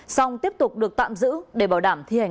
xong tiếp tục được tạm giữ để bảo đảm thi hành